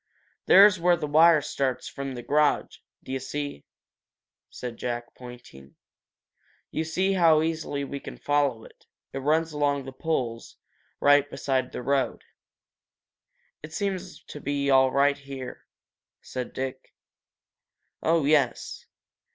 "There's where the wire starts from the garage, d'ye see!" said Jack, pointing. "You see how easily we can follow it it runs along those poles, right beside the road." "It seems to be all right here," said Dick. "Oh, yes.